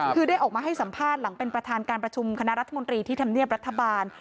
คือได้ออกมาให้สัมภาษณ์หลังเป็นประธานการประชุมคณะรัฐมนตรีที่ทำเนียบรัฐบาล